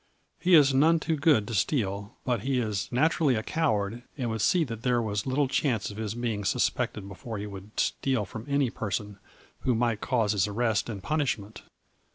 He is none too good to steal, but he is naturally a coward and would see that there was little chance of his being suspected before he would steal from any person who might cause his arrest and punishment.